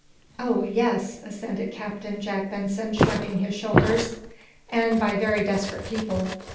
"Oh, ye es," assented Captain Jack Benson, shrugging his shoulders. "And by very desperate people."